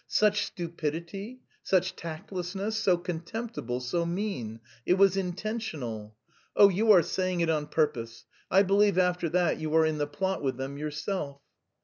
"Such stupidity, such tactlessness, so contemptible, so mean! It was intentional! Oh, you are saying it on purpose! I believe after that you are in the plot with them yourself."